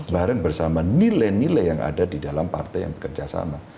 bareng bersama nilai nilai yang ada di dalam partai yang bekerja sama